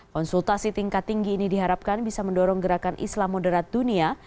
konsultasi tingkat tinggi ini diharapkan bisa mendorong gerakan islam moderat dunia